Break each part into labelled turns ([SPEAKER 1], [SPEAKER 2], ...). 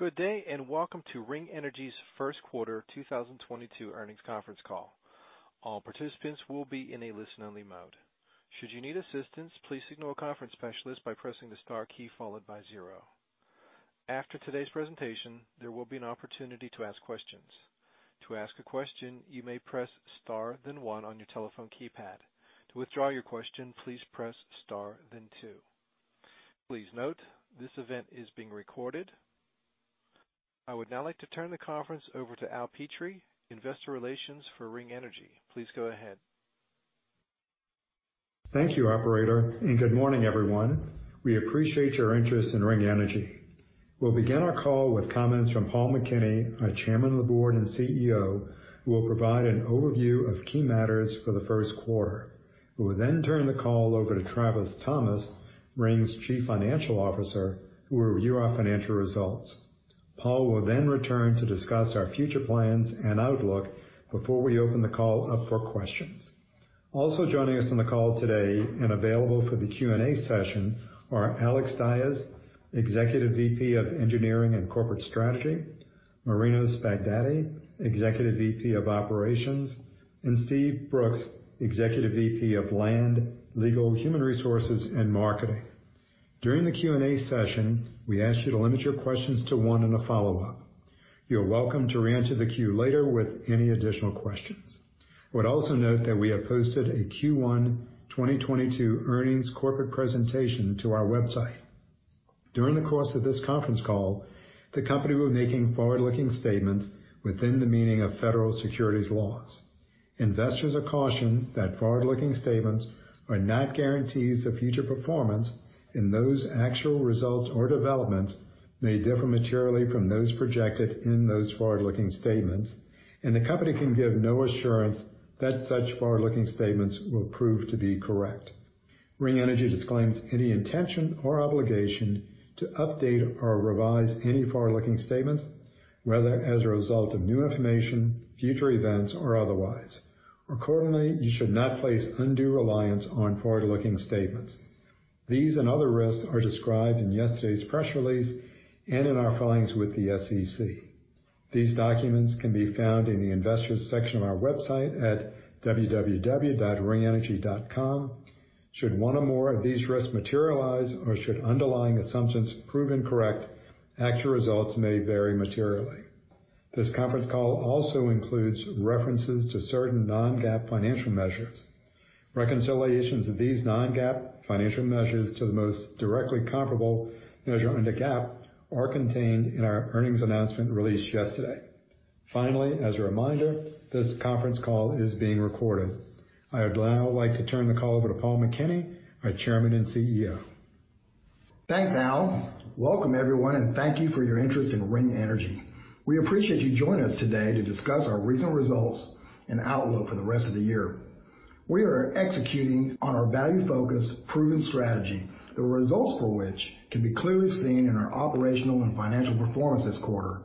[SPEAKER 1] Good day, and welcome to Ring Energy's Q1 2022 earnings conference call. All participants will be in a listen-only mode. Should you need assistance, please signal a conference specialist by pressing the star key followed by zero. After today's presentation, there will be an opportunity to ask questions. To ask a question, you may press star then one on your telephone keypad. To withdraw your question, please press star then two. Please note, this event is being recorded. I would now like to turn the conference over to Al Petrie, Investor Relations for Ring Energy. Please go ahead.
[SPEAKER 2] Thank you, operator, and good morning, everyone. We appreciate your interest in Ring Energy. We'll begin our call with comments from Paul McKinney, our Chairman of the Board and CEO, who will provide an overview of key matters for the Q1. We will then turn the call over to Travis Thomas, Ring's Chief Financial Officer, who will review our financial results. Paul will then return to discuss our future plans and outlook before we open the call up for questions. Also joining us on the call today and available for the Q&A session are Alex Dyes, Executive VP of Engineering and Corporate Strategy, Marinos Baghdati, Executive VP of Operations, and Steve Brooks, Executive VP of Land, Legal, Human Resources and Marketing. During the Q&A session, we ask you to limit your questions to one and a follow-up. You're welcome to reenter the queue later with any additional questions. I would also note that we have posted a Q1 2022 earnings corporate presentation to our website. During the course of this conference call, the company will be making forward-looking statements within the meaning of federal securities laws. Investors are cautioned that forward-looking statements are not guarantees of future performance, and that actual results or developments may differ materially from those projected in those forward-looking statements, and the company can give no assurance that such forward-looking statements will prove to be correct. Ring Energy disclaims any intention or obligation to update or revise any forward-looking statements, whether as a result of new information, future events or otherwise. Accordingly, you should not place undue reliance on forward-looking statements. These and other risks are described in yesterday's press release and in our filings with the SEC. These documents can be found in the investors section of our website at www.ringenergy.com. Should one or more of these risks materialize or should underlying assumptions prove incorrect, actual results may vary materially. This conference call also includes references to certain non-GAAP financial measures. Reconciliations of these non-GAAP financial measures to the most directly comparable measure under GAAP are contained in our earnings announcement released yesterday. Finally, as a reminder, this conference call is being recorded. I would now like to turn the call over to Paul McKinney, our Chairman and CEO.
[SPEAKER 3] Thanks, Al. Welcome, everyone, and thank you for your interest in Ring Energy. We appreciate you joining us today to discuss our recent results and outlook for the rest of the year. We are executing on our value-focused, proven strategy, the results for which can be clearly seen in our operational and financial performance this quarter.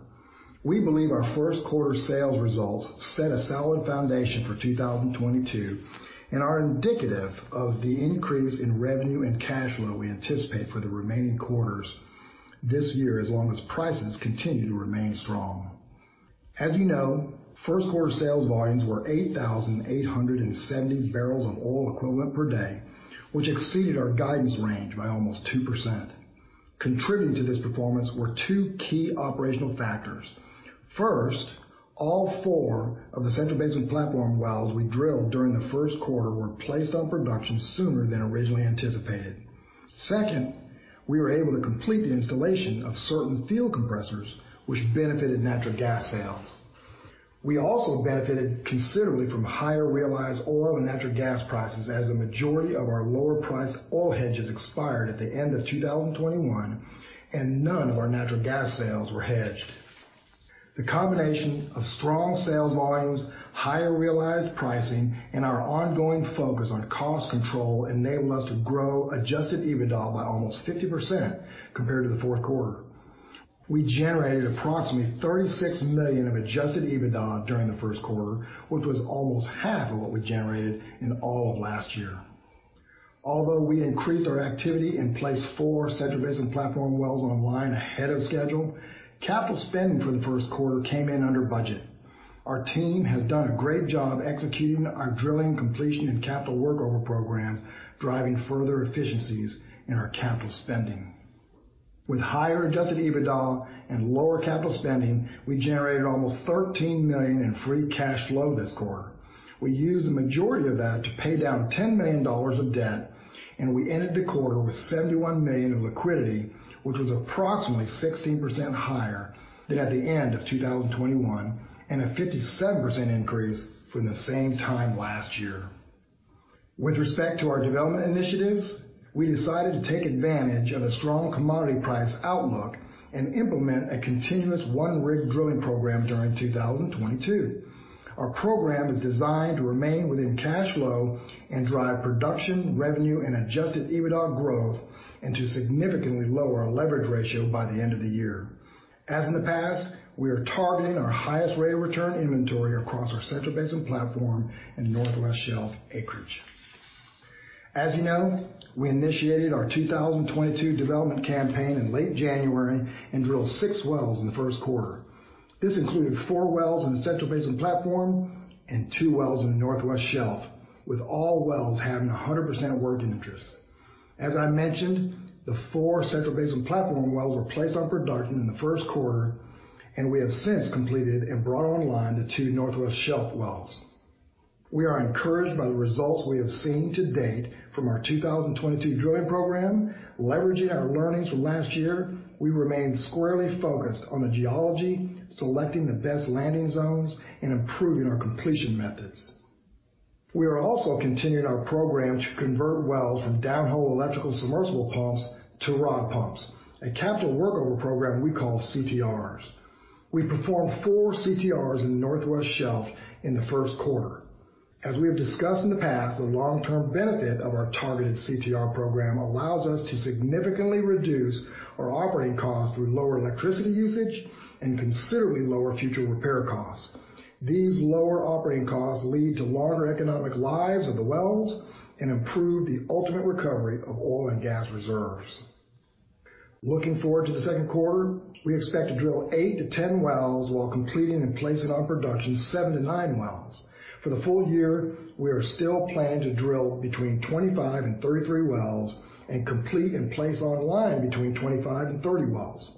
[SPEAKER 3] We believe our Q1 sales results set a solid foundation for 2022 and are indicative of the increase in revenue and cash flow we anticipate for the remaining quarters this year, as long as prices continue to remain strong. As you know, Q1 sales volumes were 8,870 barrels of oil equivalent per day, which exceeded our guidance range by almost 2%. Contributing to this performance were two key operational factors. First, all 4 of the Central Basin Platform wells we drilled during the Q1 were placed on production sooner than originally anticipated. Second, we were able to complete the installation of certain field compressors, which benefited natural gas sales. We also benefited considerably from higher realized oil and natural gas prices as a majority of our lower priced oil hedges expired at the end of 2021, and none of our natural gas sales were hedged. The combination of strong sales volumes, higher realized pricing, and our ongoing focus on cost control enabled us to grow adjusted EBITDA by almost 50% compared to the Q4. We generated approximately $36 million of adjusted EBITDA during the Q1, which was almost half of what we generated in all of last year. Although we increased our activity and placed 4 Central Basin Platform wells online ahead of schedule, capital spending for the Q1 came in under budget. Our team has done a great job executing our drilling completion and capital workover programs, driving further efficiencies in our capital spending. With higher adjusted EBITDA and lower capital spending, we generated almost $13 million in free cash flow this quarter. We used the majority of that to pay down $10 million of debt, and we ended the quarter with $71 million of liquidity, which was approximately 16% higher than at the end of 2021, and a 57% increase from the same time last year. With respect to our development initiatives, we decided to take advantage of a strong commodity price outlook and implement a continuous 1-rig drilling program during 2022. Our program is designed to remain within cash flow and drive production, revenue, and adjusted EBITDA growth and to significantly lower our leverage ratio by the end of the year. As in the past, we are targeting our highest rate of return inventory across our Central Basin Platform and Northwest Shelf acreage. As you know, we initiated our 2022 development campaign in late January and drilled six wells in the Q1. This included four wells in the Central Basin Platform and two wells in the Northwest Shelf, with all wells having 100% working interest. As I mentioned, the four Central Basin Platform wells were placed on production in the Q1, and we have since completed and brought online the two Northwest Shelf wells. We are encouraged by the results we have seen to date from our 2022 drilling program. Leveraging our learnings from last year, we remain squarely focused on the geology, selecting the best landing zones, and improving our completion methods. We are also continuing our program to convert wells from downhole electrical submersible pumps to rod pumps, a capital workover program we call CTRs. We performed four CTRs in the Northwest Shelf in the first Q1. As we have discussed in the past, the long-term benefit of our targeted CTR program allows us to significantly reduce our operating costs through lower electricity usage and considerably lower future repair costs. These lower operating costs lead to longer economic lives of the wells and improve the ultimate recovery of oil and gas reserves. Looking forward to the Q2, we expect to drill 8-10 wells while completing and placing on production 7-9 wells. For the full year, we are still planning to drill between 25 and 33 wells and complete and place online between 25 and 30 wells.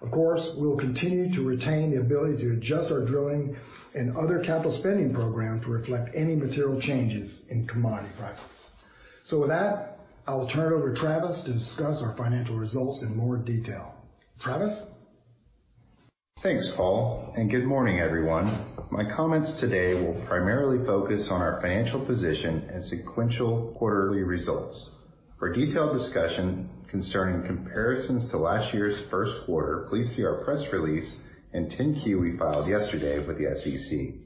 [SPEAKER 3] Of course, we will continue to retain the ability to adjust our drilling and other capital spending programs to reflect any material changes in commodity prices. With that, I will turn it over to Travis to discuss our financial results in more detail. Travis?
[SPEAKER 4] Thanks, Paul, and good morning, everyone. My comments today will primarily focus on our financial position and sequential quarterly results. For a detailed discussion concerning comparisons to last year's Q1, please see our press release and 10-Q we filed yesterday with the SEC.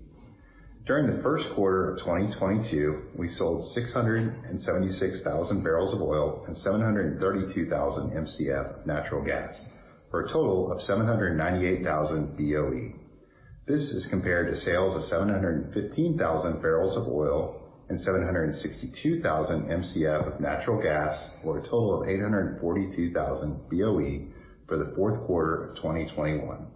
[SPEAKER 4] During the Q1 of 2022, we sold 676,000 barrels of oil and 732,000 Mcf of natural gas, for a total of 798,000 BOE. This is compared to sales of 715,000 barrels of oil and 762,000 Mcf of natural gas, for a total of 842,000 BOE for the Q4 of 2021.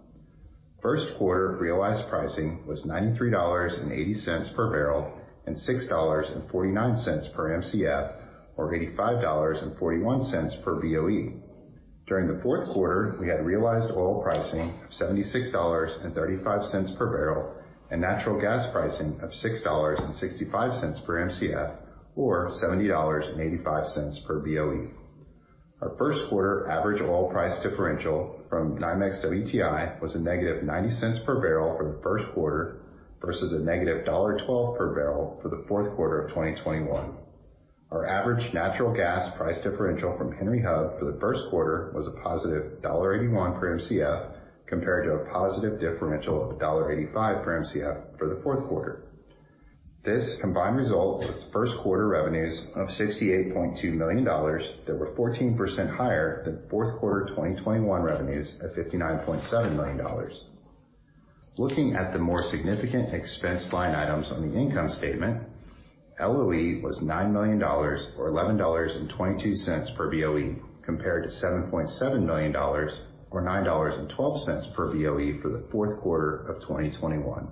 [SPEAKER 4] Q1 realized pricing was $93.80 per barrel and $6.49 per Mcf, or $85.41 per BOE. During the Q4, we had realized oil pricing of $76.35 per barrel and natural gas pricing of $6.65 per Mcf, or $70.85 per BOE. Our Q1 average oil price differential from NYMEX WTI was a negative $0.90 per barrel for the Q1 versus a negative $1.12 per barrel for the Q4 of 2021. Our average natural gas price differential from Henry Hub for the Q1 was a positive $1.81 per Mcf compared to a positive differential of $1.85 per Mcf for the Q4. This combined result with Q1 revenues of $68.2 million that were 14% higher than Q4 2021 revenues of $59.7 million. Looking at the more significant expense line items on the income statement, LOE was $9 million or $11.22 per BOE, compared to $7.7 million or $9.12 per BOE for the Q4 of 2021.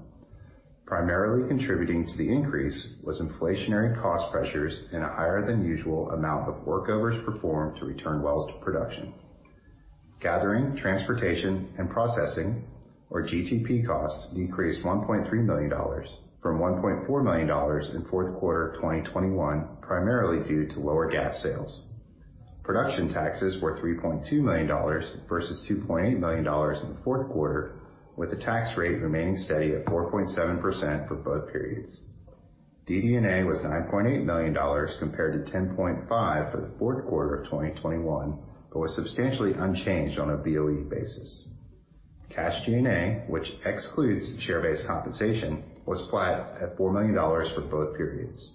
[SPEAKER 4] Primarily contributing to the increase was inflationary cost pressures and a higher than usual amount of workovers performed to return wells to production. Gathering, transportation, and processing, or GTP costs, decreased $1.3 million from $1.4 million in Q4 of 2021, primarily due to lower gas sales. Production taxes were $3.2 million versus $2.8 million in the fourth Q4, with the tax rate remaining steady at 4.7% for both periods. DD&A was $9.8 million compared to $10.5 million for the Q4 of 2021, but was substantially unchanged on a BOE basis. Cash G&A, which excludes share-based compensation, was flat at $4 million for both periods.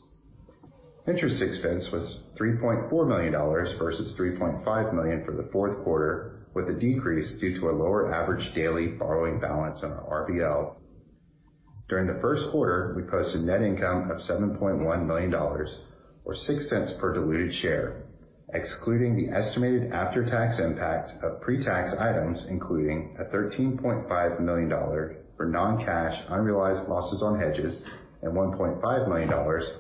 [SPEAKER 4] Interest expense was $3.4 million versus $3.5 million for the Q4, with a decrease due to a lower average daily borrowing balance on our RBL. During the Q1, we posted net income of $7.1 million or $0.06 per diluted share. Excluding the estimated after-tax impact of pre-tax items, including a $13.5 million for non-cash, unrealized losses on hedges and $1.5 million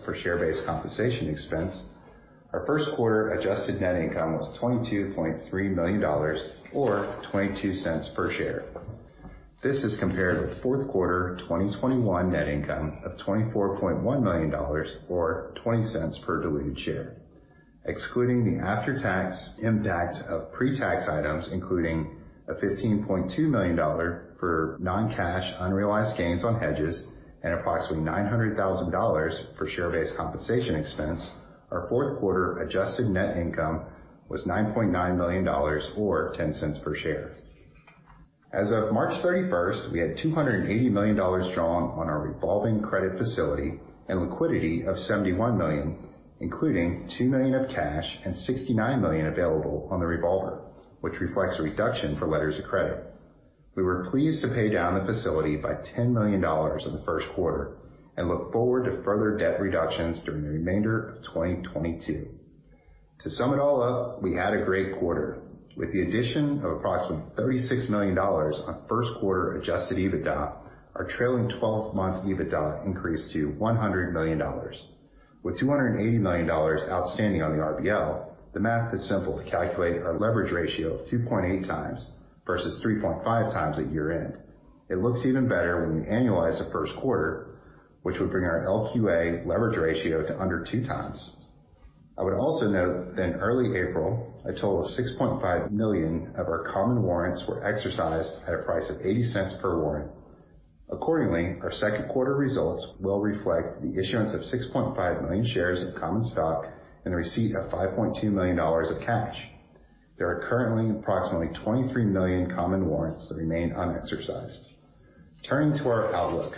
[SPEAKER 4] for share-based compensation expense, our Q1 adjusted net income was $22.3 million or $0.22 per share. This is compared with Q4 2021 net income of $24.1 million or $0.20 per diluted share. Excluding the after-tax impact of pre-tax items, including a $15.2 million dollars for non-cash unrealized gains on hedges and approximately $900 thousand for share-based compensation expense, our Q4 adjusted net income was $9.9 million or $0.10 per share. As of March 31, we had $280 million drawn on our revolving credit facility and liquidity of $71 million, including $2 million of cash and $69 million available on the revolver, which reflects a reduction for letters of credit. We were pleased to pay down the facility by $10 million in the Q1 and look forward to further debt reductions during the remainder of 2022. To sum it all up, we had a great quarter. With the addition of approximately $36 million on first quarter adjusted EBITDA, our trailing twelve-month EBITDA increased to $100 million. With $280 million outstanding on the RBL, the math is simple to calculate our leverage ratio of 2.8x versus 3.5x at year-end. It looks even better when we annualize the Q1, which would bring our LQA leverage ratio to under 2x. I would also note that in early April, a total of 6.5 million of our common warrants were exercised at a price of $0.80 per warrant. Accordingly, our Q2 results will reflect the issuance of 6.5 million shares of common stock and the receipt of $5.2 million of cash. There are currently approximately 23 million common warrants that remain unexercised. Turning to our outlook.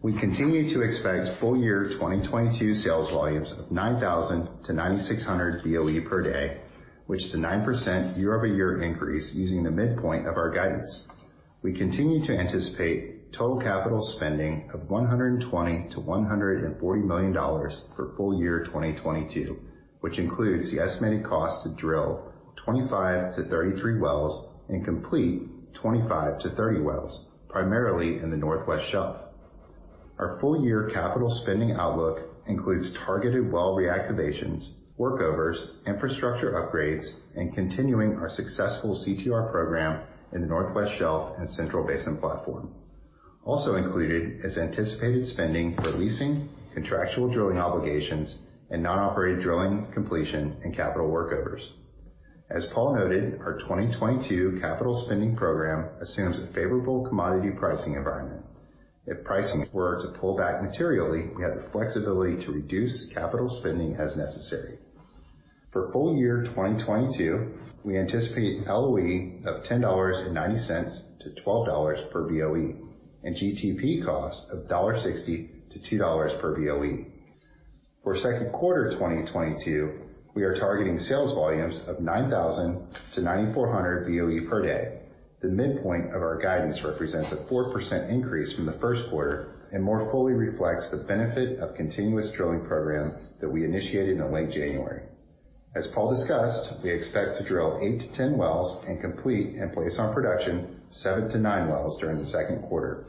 [SPEAKER 4] We continue to expect full year 2022 sales volumes of 9,000-9,600 BOE per day, which is a 9% year-over-year increase using the midpoint of our guidance. We continue to anticipate total capital spending of $120 million-$140 million for full year 2022, which includes the estimated cost to drill 25-33 wells and complete 25-30 wells, primarily in the Northwest Shelf. Our full year capital spending outlook includes targeted well reactivations, workovers, infrastructure upgrades, and continuing our successful CTR program in the Northwest Shelf and Central Basin Platform. Also included is anticipated spending for leasing, contractual drilling obligations, and non-operated drilling completion and capital workovers. As Paul noted, our 2022 capital spending program assumes a favorable commodity pricing environment. If pricing were to pull back materially, we have the flexibility to reduce capital spending as necessary. For full year 2022, we anticipate LOE of $10.90-$12 per BOE, and GTP costs of $1.60-$2 per BOE. For Q2 2022, we are targeting sales volumes of 9,000-9,900 BOE per day. The midpoint of our guidance represents a 4% increase from the Q1 and more fully reflects the benefit of continuous drilling program that we initiated in late January. As Paul discussed, we expect to drill 8-10 wells and complete and place on production 7-9 wells during the Q2.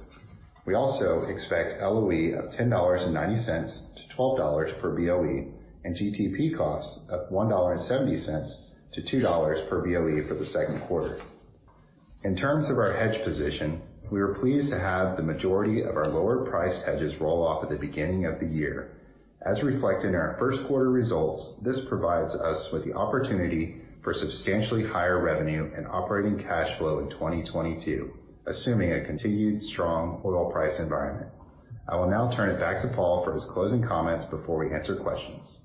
[SPEAKER 4] We also expect LOE of $10.90-$12 per BOE and GTP costs of $1.70-$2 per BOE for the Q2. In terms of our hedge position, we are pleased to have the majority of our lower priced hedges roll off at the beginning of the year. As reflected in our Q1 results, this provides us with the opportunity for substantially higher revenue and operating cash flow in 2022, assuming a continued strong oil price environment. I will now turn it back to Paul for his closing comments before we answer questions.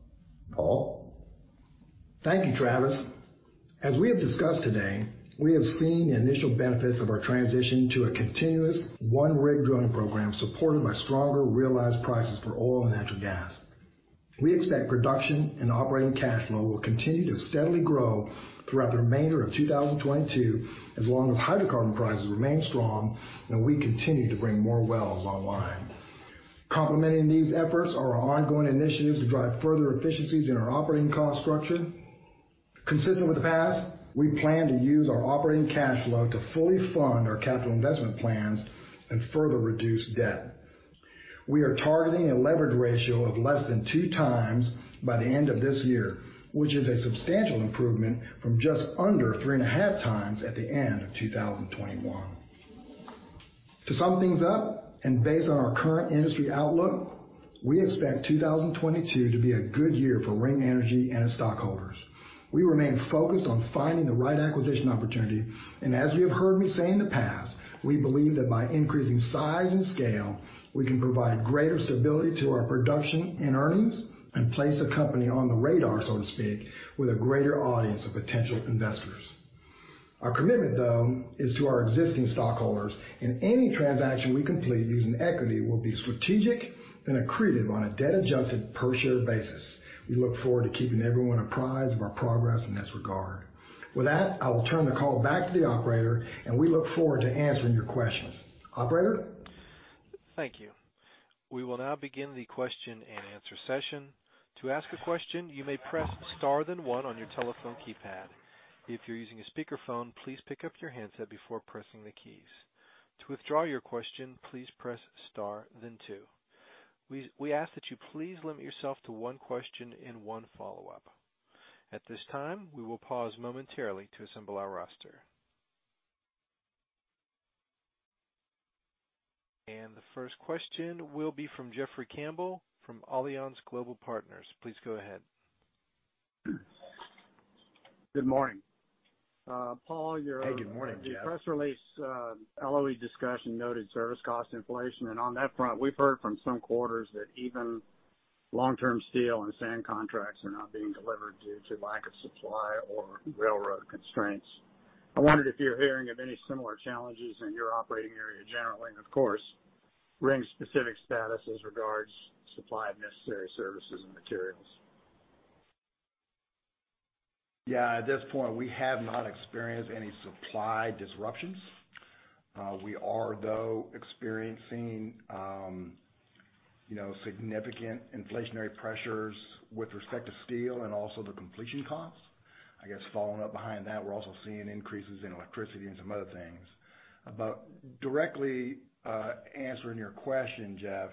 [SPEAKER 4] Paul?
[SPEAKER 3] Thank you, Travis. As we have discussed today, we have seen the initial benefits of our transition to a continuous one-rig drilling program supported by stronger realized prices for oil and natural gas. We expect production and operating cash flow will continue to steadily grow throughout the remainder of 2022, as long as hydrocarbon prices remain strong, and we continue to bring more wells online. Complementing these efforts are our ongoing initiatives to drive further efficiencies in our operating cost structure. Consistent with the past, we plan to use our operating cash flow to fully fund our capital investment plans and further reduce debt. We are targeting a leverage ratio of less than 2x by the end of this year, which is a substantial improvement from just under 3.5x at the end of 2021. To sum things up, and based on our current industry outlook, we expect 2022 to be a good year for Ring Energy and its stockholders. We remain focused on finding the right acquisition opportunity, and as you have heard me say in the past, we believe that by increasing size and scale, we can provide greater stability to our production and earnings and place the company on the radar, so to speak, with a greater audience of potential investors. Our commitment, though, is to our existing stockholders, and any transaction we complete using equity will be strategic and accretive on a debt-adjusted per share basis. We look forward to keeping everyone apprised of our progress in this regard. With that, I will turn the call back to the operator, and we look forward to answering your questions. Operator?
[SPEAKER 1] Thank you. We will now begin the question and answer session. To ask a question, you may press star then one on your telephone keypad. If you're using a speakerphone, please pick up your handset before pressing the keys. To withdraw your question, please press star then two. We ask that you please limit yourself to one question and one follow-up. At this time, we will pause momentarily to assemble our roster. The first question will be from Jeffrey Campbell from Alliance Global Partners. Please go ahead.
[SPEAKER 5] Good morning. Paul,
[SPEAKER 3] Hey, good morning, Jeff.
[SPEAKER 5] The press release, LOE discussion noted service cost inflation. On that front, we've heard from some quarters that even long-term steel and sand contracts are not being delivered due to lack of supply or railroad constraints. I wondered if you're hearing of any similar challenges in your operating area generally, and of course, Ring's specific status as regards supply of necessary services and materials?
[SPEAKER 3] Yeah, at this point, we have not experienced any supply disruptions. We are, though, experiencing, you know, significant inflationary pressures with respect to steel and also the completion costs. I guess following up behind that, we're also seeing increases in electricity and some other things. Directly, answering your question, Jeff,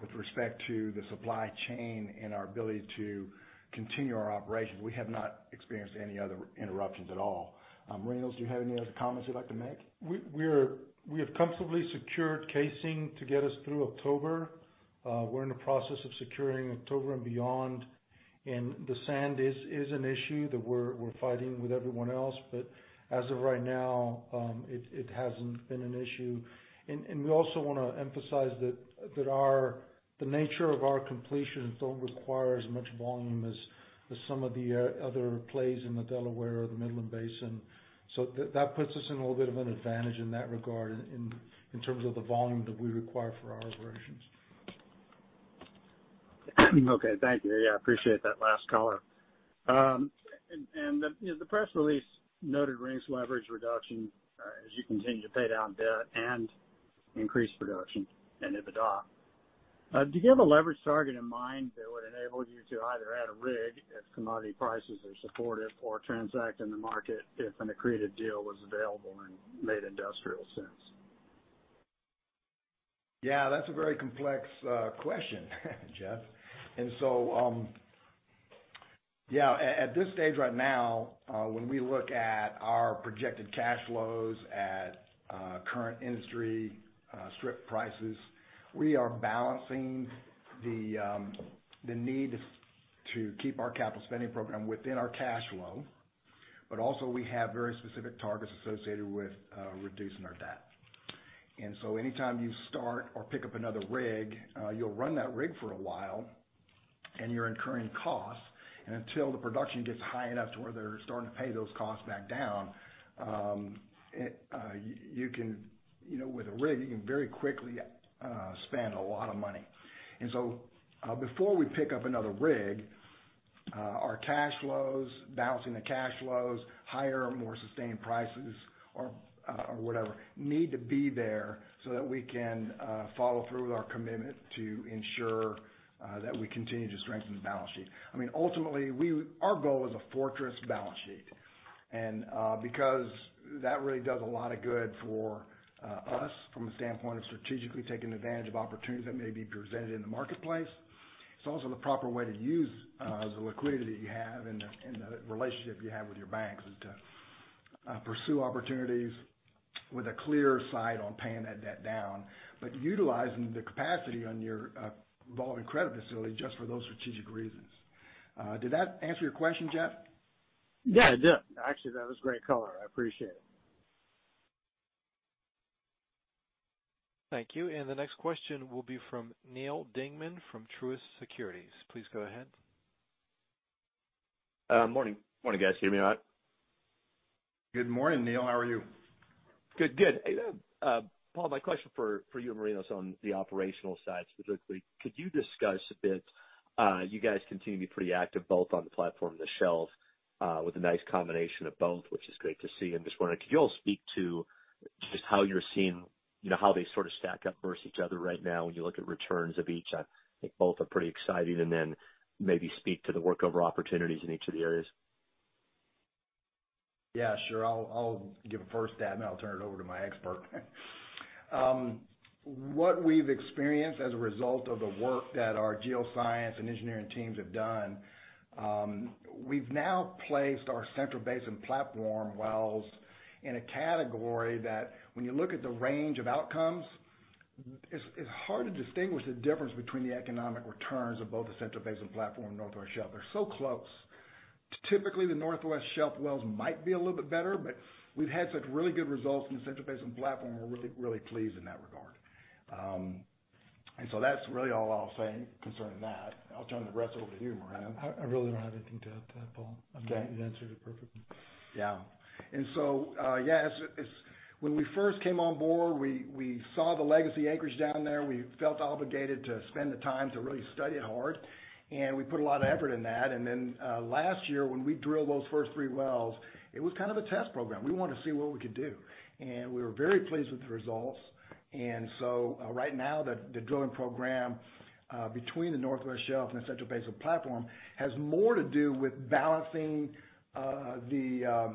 [SPEAKER 3] with respect to the supply chain and our ability to continue our operations, we have not experienced any other interruptions at all. Marinos, do you have any other comments you'd like to make?
[SPEAKER 6] We have comfortably secured casing to get us through October. We're in the process of securing October and beyond, and the sand is an issue that we're fighting with everyone else. As of right now, it hasn't been an issue. We also wanna emphasize that the nature of our completions don't require as much volume as some of the other plays in the Delaware or the Midland Basin. That puts us in a little bit of an advantage in that regard in terms of the volume that we require for our operations.
[SPEAKER 5] Okay. Thank you. Yeah, I appreciate that last color. And the, you know, the press release noted Ring's leverage reduction, as you continue to pay down debt and increase production and EBITDA. Do you have a leverage target in mind that would enable you to either add a rig as commodity prices are supportive or transact in the market if an accretive deal was available and made industrial sense?
[SPEAKER 3] Yeah, that's a very complex question, Jeff. At this stage right now, when we look at our projected cash flows at current industry strip prices, we are balancing the need to keep our capital spending program within our cash flow, but also we have very specific targets associated with reducing our debt. Anytime you start or pick up another rig, you'll run that rig for a while, and you're incurring costs. Until the production gets high enough to where they're starting to pay those costs back down, you can, you know, with a rig, you can very quickly spend a lot of money. Before we pick up another rig, our cash flows, balancing the cash flows higher, more sustained prices or whatever, need to be there so that we can follow through with our commitment to ensure that we continue to strengthen the balance sheet. I mean, ultimately, our goal is a fortress balance sheet. Because that really does a lot of good for us from a standpoint of strategically taking advantage of opportunities that may be presented in the marketplace. It's also the proper way to use the liquidity you have and the relationship you have with your banks is to pursue opportunities with a clear sight on paying that debt down. Utilizing the capacity on your revolving credit facility just for those strategic reasons. Did that answer your question, Jeff?
[SPEAKER 5] Yeah, it did. Actually, that was a great color. I appreciate it.
[SPEAKER 1] Thank you. The next question will be from Neal Dingmann from Truist Securities. Please go ahead.
[SPEAKER 7] Morning. Morning, guys. Can you hear me all right?
[SPEAKER 3] Good morning, Neal. How are you?
[SPEAKER 7] Good. Hey, Paul, my question for you and Marinos on the operational side specifically, could you discuss a bit, you guys continue to be pretty active both on the platform and the shelf, with a nice combination of both, which is great to see. I'm just wondering, could you all speak to just how you're seeing, you know, how they sort of stack up versus each other right now when you look at returns of each? I think both are pretty exciting. Maybe speak to the workover opportunities in each of the areas.
[SPEAKER 3] Yeah, sure. I'll give a first stab, and then I'll turn it over to my expert. What we've experienced as a result of the work that our geoscience and engineering teams have done, we've now placed our Central Basin Platform wells in a category that when you look at the range of outcomes, it's hard to distinguish the difference between the economic returns of both the Central Basin Platform and Northwest Shelf. They're so close. Typically, the Northwest Shelf wells might be a little bit better, but we've had such really good results in the Central Basin Platform. We are really pleased in that regard. That's really all I'll say concerning that. I'll turn the rest over to you, Marinos.
[SPEAKER 6] I really don't have anything to add to that, Paul.
[SPEAKER 3] Okay.
[SPEAKER 6] I think you answered it perfectly.
[SPEAKER 3] When we first came on board, we saw the legacy acreage down there. We felt obligated to spend the time to really study it hard, and we put a lot of effort in that. Last year, when we drilled those first three wells, it was kind of a test program. We wanted to see what we could do, and we were very pleased with the results. Right now, the drilling program between the Northwest Shelf and the Central Basin Platform has more to do with balancing the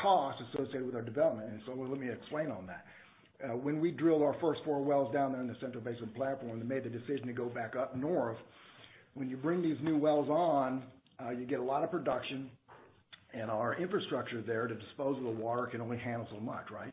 [SPEAKER 3] costs associated with our development. Let me explain on that. When we drilled our first four wells down there in the Central Basin Platform and made the decision to go back up north, when you bring these new wells on, you get a lot of production, and our infrastructure there to dispose of the water can only handle so much, right?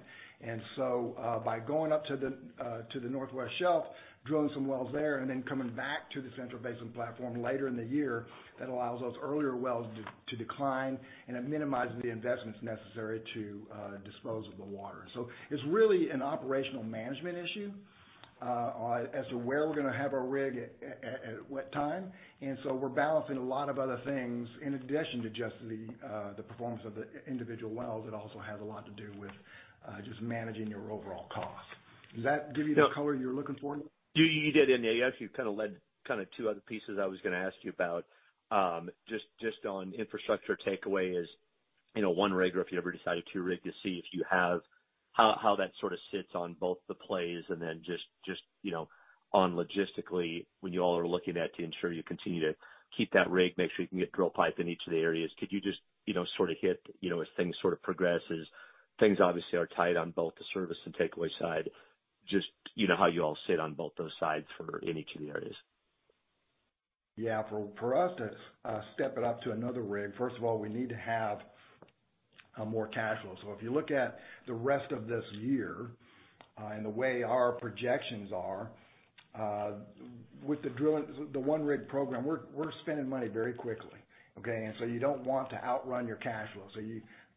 [SPEAKER 3] By going up to the Northwest Shelf, drilling some wells there, and then coming back to the Central Basin Platform later in the year, that allows those earlier wells to decline and it minimizes the investments necessary to dispose of the water. It's really an operational management issue as to where we're gonna have our rig at what time. We're balancing a lot of other things in addition to just the performance of the individual wells. It also has a lot to do with, just managing your overall cost. Does that give you the color you're looking for?
[SPEAKER 7] You did. You actually kind of led two other pieces I was gonna ask you about. Just on infrastructure takeaway, is, you know, one rig or if you ever decided two rigs to see how that sort of sits on both the plays and then just, you know, logistically when you all are looking at to ensure you continue to keep that rig, make sure you can get drill pipe in each of the areas. Could you just, you know, sort of hit, you know, as things sort of progresses, things obviously are tight on both the service and takeaway side. Just, you know, how you all sit on both those sides for in each of the areas.
[SPEAKER 3] Yeah. For us to step it up to another rig, first of all, we need to have more cash flow. If you look at the rest of this year and the way our projections are with the drilling, the one rig program, we're spending money very quickly, okay? You don't want to outrun your cash flow.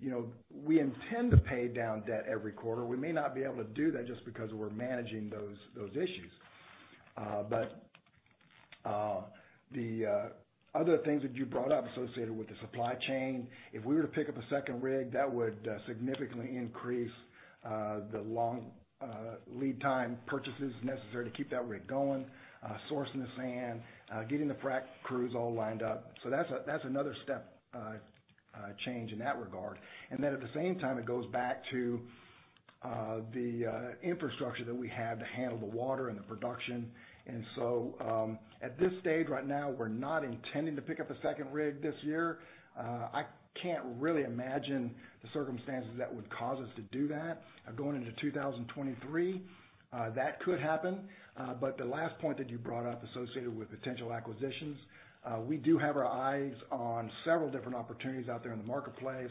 [SPEAKER 3] You know, we intend to pay down debt every quarter. We may not be able to do that just because we're managing those issues. The other things that you brought up associated with the supply chain, if we were to pick up a second rig, that would significantly increase the long lead time purchases necessary to keep that rig going, sourcing the sand, getting the frac crews all lined up. That's another step change in that regard. Then at the same time, it goes back to the infrastructure that we have to handle the water and the production. At this stage right now, we're not intending to pick up a second rig this year. I can't really imagine the circumstances that would cause us to do that. Going into 2023, that could happen. The last point that you brought up associated with potential acquisitions, we do have our eyes on several different opportunities out there in the marketplace.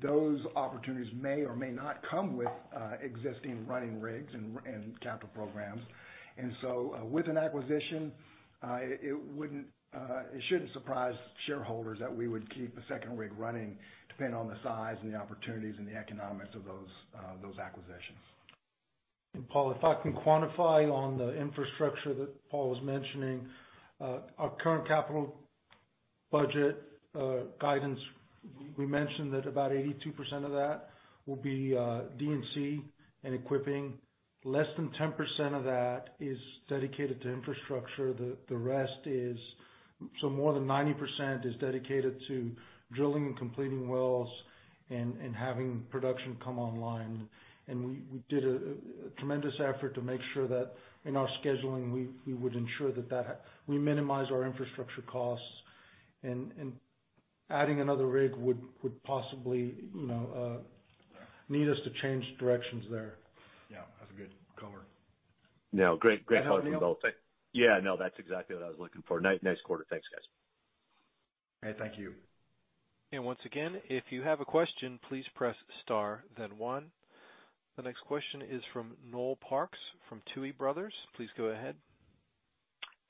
[SPEAKER 3] Those opportunities may or may not come with existing running rigs and capital programs. With an acquisition, it shouldn't surprise shareholders that we would keep a second rig running depending on the size and the opportunities and the economics of those acquisitions.
[SPEAKER 6] Paul, if I can quantify on the infrastructure that Paul was mentioning, our current capital budget guidance, we mentioned that about 82% of that will be D&C and equipping. Less than 10% of that is dedicated to infrastructure. The rest is. So more than 90% is dedicated to drilling and completing wells and having production come online. We did a tremendous effort to make sure that in our scheduling, we would ensure that we minimize our infrastructure costs. And adding another rig would possibly, you know, need us to change directions there.
[SPEAKER 3] Yeah, that's a good cover.
[SPEAKER 7] No, great color from both.
[SPEAKER 3] Anything else?
[SPEAKER 7] Yeah, no, that's exactly what I was looking for. Nice quarter. Thanks, guys.
[SPEAKER 3] Hey, thank you.
[SPEAKER 1] Once again, if you have a question, please press star then one. The next question is from Noel Parks from Tuohy Brothers. Please go ahead.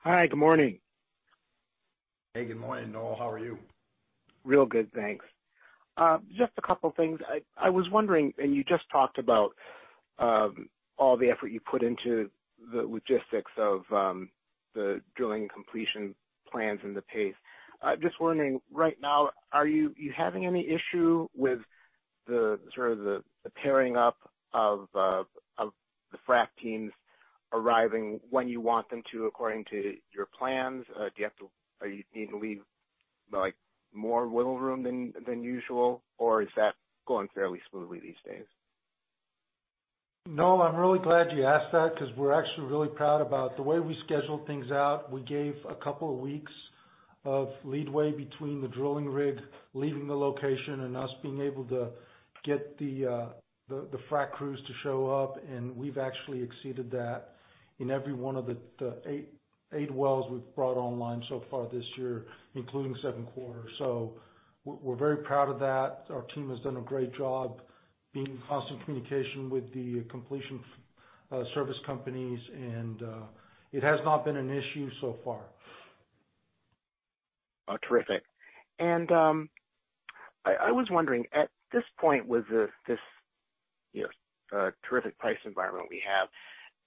[SPEAKER 8] Hi. Good morning.
[SPEAKER 3] Hey, good morning, Noel. How are you?
[SPEAKER 8] Real good, thanks. Just a couple of things. I was wondering, and you just talked about all the effort you put into the logistics of the drilling completion plans and the pace. I'm just wondering, right now, are you having any issue with the sort of pairing up of the frack teams arriving when you want them to according to your plans? Are you needing to leave, like, more wiggle room than usual, or is that going fairly smoothly these days?
[SPEAKER 6] Noel, I'm really glad you asked that because we're actually really proud about the way we scheduled things out. We gave a couple of weeks of leeway between the drilling rig leaving the location and us being able to get the frac crews to show up, and we have actually exceeded that in every one of the 8 wells we've brought online so far this year, including Q7. We're very proud of that. Our team has done a great job being in constant communication with the completion service companies, and it has not been an issue so far.
[SPEAKER 8] Oh, terrific. I was wondering, at this point with this, you know, terrific price environment we have,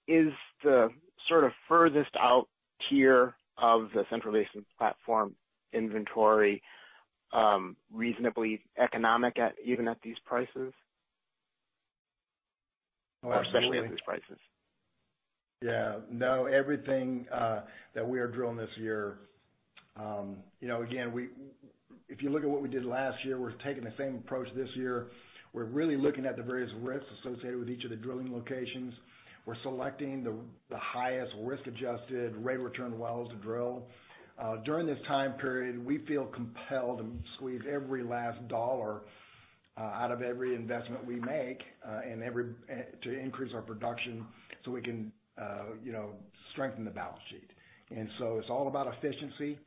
[SPEAKER 8] is the sort of furthest out tier of the Central Basin Platform inventory reasonably economic at even these prices?
[SPEAKER 3] Absolutely.
[SPEAKER 8] Especially at these prices.
[SPEAKER 3] Yeah. No, everything that we are drilling this year, you know, again, if you look at what we did last year, we're taking the same approach this year. We're really looking at the various risks associated with each of the drilling locations. We're selecting the highest risk-adjusted rate of return wells to drill. During this time period, we feel compelled to squeeze every last dollar out of every investment we make and to increase our production so we can, you know, strengthen the balance sheet. It's all about efficiency.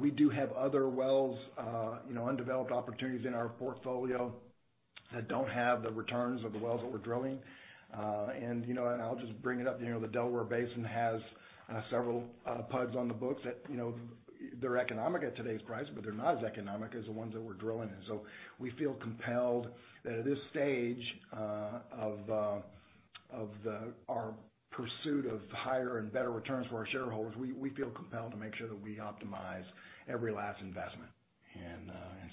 [SPEAKER 3] We do have other wells, you know, undeveloped opportunities in our portfolio that don't have the returns of the wells that we are drilling. I'll just bring it up, you know, the Delaware Basin has several pads on the books that, you know, they're economic at today's price, but they're not as economic as the ones that we're drilling. We feel compelled at this stage of our pursuit of higher and better returns for our shareholders, we feel compelled to make sure that we optimize every last investment.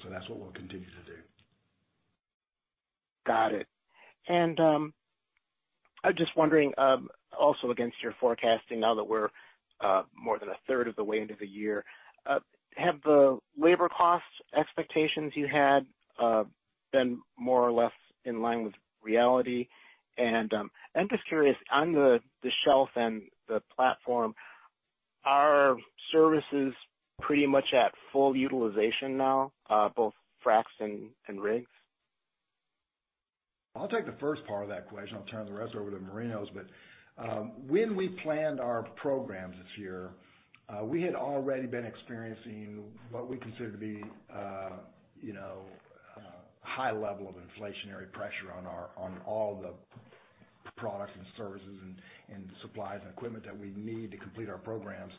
[SPEAKER 3] That's what we'll continue to do.
[SPEAKER 8] Got it. I'm just wondering, also against your forecasting now that we are more than a third of the way into the year, have the labor cost expectations you had been more or less in line with reality? I'm just curious, on the Shelf and the platform, are services pretty much at full utilization now, both fracs and rigs?
[SPEAKER 3] I'll take the first part of that question. I'll turn the rest over to Marinos. When we planned our programs this year, we had already been experiencing what we consider to be, you know, high level of inflationary pressure on all the products and services and supplies and equipment that we need to complete our programs.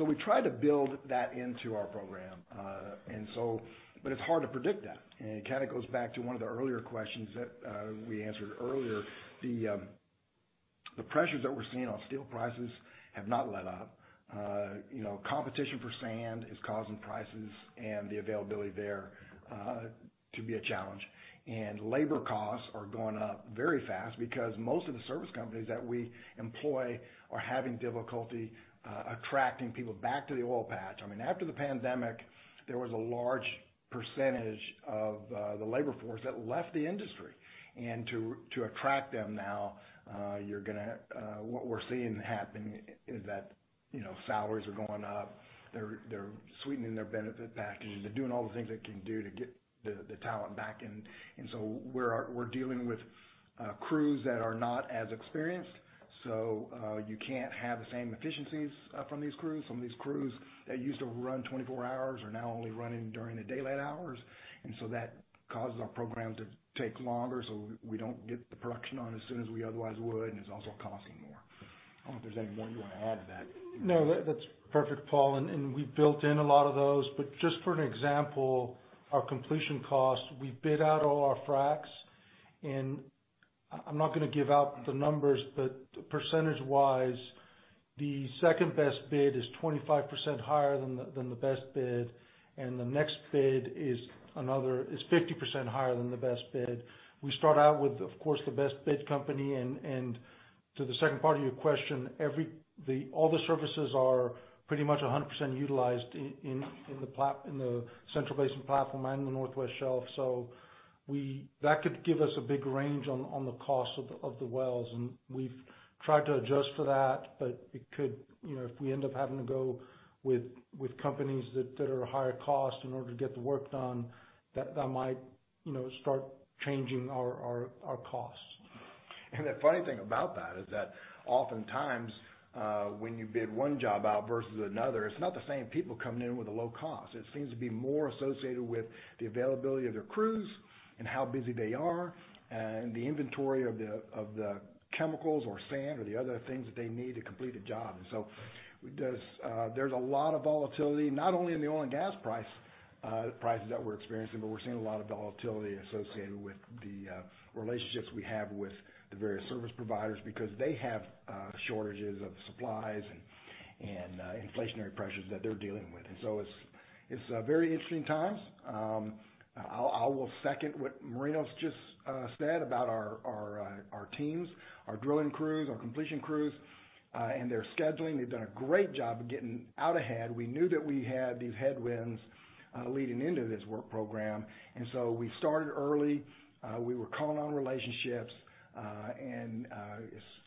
[SPEAKER 3] We try to build that into our program. It's hard to predict that. It kind of goes back to one of the earlier questions that we answered earlier. The pressures that we're seeing on steel prices have not let up. You know, competition for sand is causing prices and the availability there to be a challenge. Labor costs are going up very fast because most of the service companies that we employ are having difficulty attracting people back to the oil patch. I mean, after the pandemic, there was a large percentage of the labor force that left the industry. To attract them now, what we're seeing happen is that, you know, salaries are going up. They are sweetening their benefit packages. They're doing all the things they can do to get the talent back in. So we are dealing with crews that are not as experienced, so you can't have the same efficiencies from these crews. Some of these crews that used to run 24 hours are now only running during the daylight hours. That causes our program to take longer, so we don't get the production on as soon as we otherwise would, and it's also costing more. I don't know if there's anything more you wanna add to that.
[SPEAKER 6] No, that's perfect, Paul. We've built in a lot of those. Just for an example, our completion cost, we bid out all our fracs, and I'm not gonna give out the numbers, but percentage-wise, the second-best bid is 25% higher than the best bid, and the next bid is another 50% higher than the best bid. We start out with, of course, the best bid company. To the second part of your question, all the services are pretty much 100% utilized in the Central Basin Platform and the Northwest Shelf. That could give us a big range on the cost of the wells. We've tried to adjust for that, but it could, you know, if we end up having to go with companies that are higher cost in order to get the work done, that might, you know, start changing our costs.
[SPEAKER 3] The funny thing about that is that oftentimes, when you bid one job out versus another, it's not the same people coming in with a low cost. It seems to be more associated with the availability of their crews and how busy they are and the inventory of the chemicals or sand or the other things that they need to complete a job. There's a lot of volatility, not only in the oil and gas prices that we're experiencing, but we're seeing a lot of volatility associated with the relationships we have with the various service providers because they have shortages of supplies and inflationary pressures that they're dealing with. It's very interesting times. I will second what Marinos just said about our teams, our drilling crews, our completion crews, and their scheduling. They've done a great job of getting out ahead. We knew that we had these headwinds leading into this work program, and so we started early. We were calling on relationships, and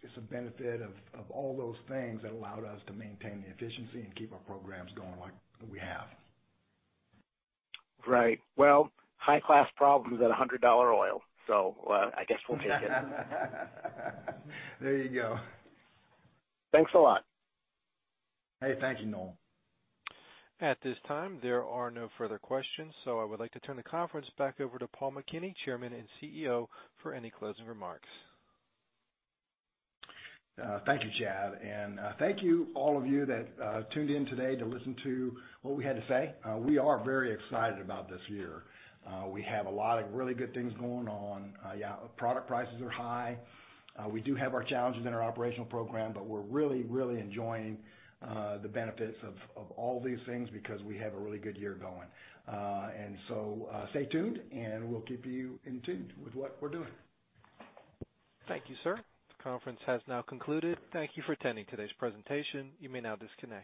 [SPEAKER 3] it's a benefit of all those things that allowed us to maintain the efficiency and keep our programs going like we have.
[SPEAKER 8] Right. Well, high-class problems at $100 oil. I guess we'll take it.
[SPEAKER 3] There you go.
[SPEAKER 8] Thanks a lot.
[SPEAKER 3] Hey, thank you, Noel.
[SPEAKER 1] At this time, there are no further questions, so I would like to turn the conference back over to Paul McKinney, Chairman and CEO, for any closing remarks.
[SPEAKER 3] Thank you, Chad. Thank you, all of you that tuned in today to listen to what we had to say. We are very excited about this year. We have a lot of really good things going on. Yeah, product prices are high. We do have our challenges in our operational program, but we're really, really enjoying the benefits of all these things because we have a really good year going. Stay tuned, and we'll keep you in tune with what we're doing.
[SPEAKER 1] Thank you, sir. The conference has now concluded. Thank you for attending today's presentation. You may now disconnect.